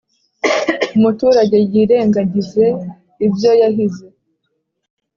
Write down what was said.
umuturage yirengagize ibyo yahize.